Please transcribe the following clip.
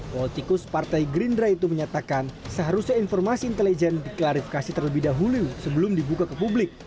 politikus partai gerindra itu menyatakan seharusnya informasi intelijen diklarifikasi terlebih dahulu sebelum dibuka ke publik